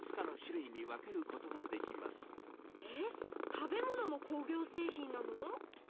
⁉食べ物も工業製品なの？！